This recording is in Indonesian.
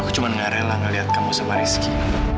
aku cuma ngerelah ngeliat kamu sama rizky